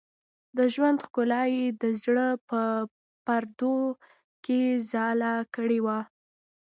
د ژوند ښکلا یې د زړه په پردو کې ځاله کړې وه.